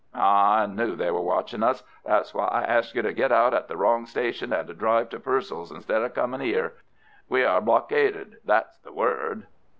"Ah, I knew they were watching us. That was why I asked you to get out at the wrong station and to drive to Purcell's instead of comin' 'ere. We are blockaded—that's the word."